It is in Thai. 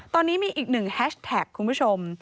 ตอนนี้มีอีกหนึ่งแฮชแท็กคุณผู้ชม